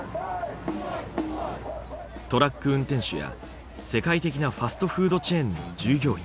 トラック運転手や世界的なファストフードチェーンの従業員。